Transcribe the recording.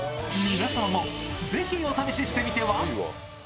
皆様も、ぜひお試ししてみては？